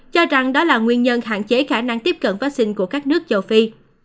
cho rằng đó là nguyên nhân hạn chế khả năng tiếp cận vaccine của các nước châu phi